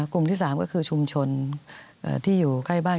กลุ่มที่๓ก็คือชุมชนที่อยู่ใกล้บ้าน